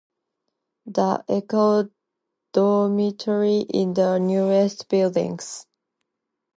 The co-ed dormitory is the newest building.